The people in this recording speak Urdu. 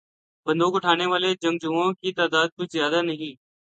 بندوق اٹھانے والے جنگجوؤں کی تعداد کچھ زیادہ نہیں۔